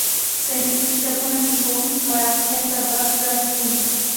ساينسي کتابونه د پوهې د پراختیا سبب ګرځي.